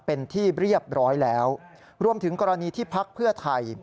เป็นที่เรียบร้อยแล้วรวมถึงกรณีที่พักเพื่อไทย